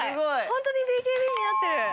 ホントにＢＫＢになってる。